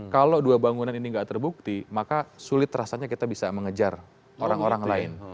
kalau dua bangunan ini nggak terbukti maka sulit rasanya kita bisa mengejar orang orang lain